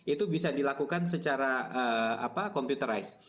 itu bisa dilakukan secara computerized